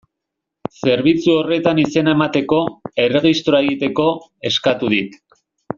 Zerbitzu horretan izena emateko, erregistroa egiteko, eskatu dit.